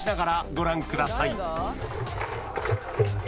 ご覧ください